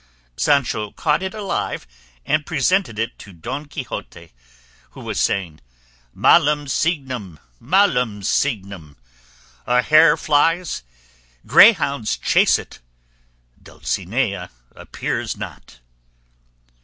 Sancho caught it alive and presented it to Don Quixote, who was saying, "Malum signum, malum signum! a hare flies, greyhounds chase it, Dulcinea appears not."